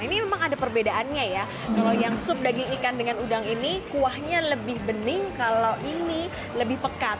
ini memang ada perbedaannya ya kalau yang sup daging ikan dengan udang ini kuahnya lebih bening kalau ini lebih pekat